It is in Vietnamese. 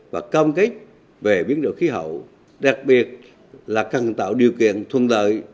và cam kết về biến đổi khí hậu đặc biệt là cần tạo điều kiện thuận lợi